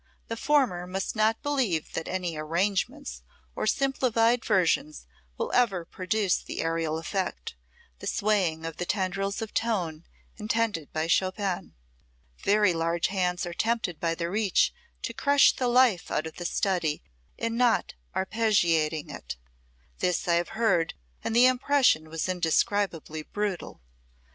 The former must not believe that any "arrangements" or simplified versions will ever produce the aerial effect, the swaying of the tendrils of tone, intended by Chopin. Very large hands are tempted by their reach to crush the life out of the study in not arpeggiating it. This I have heard, and the impression was indescribably brutal.